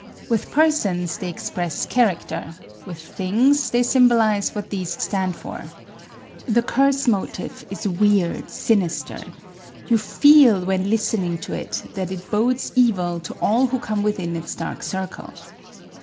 With persons they express character; with things they symbolize what these stand for. The Curse Motive is weird, sinister. You feel when listening to it that it bodes evil to all who come within its dark circle.